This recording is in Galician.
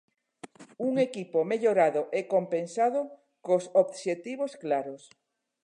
Un equipo mellorado e compensado cos obxectivos claros.